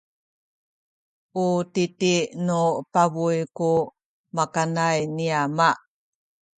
u titi nu pabuy ku makanay ni ama.